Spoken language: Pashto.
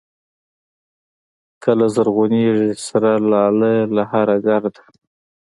کله زرغونېږي سره لاله له هره ګرده